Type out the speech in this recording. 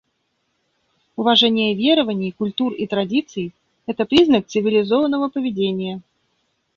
Уважение верований, культур и традиций — это признак цивилизованного поведения.